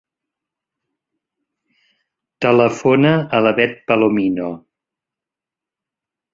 Telefona a la Bet Palomino.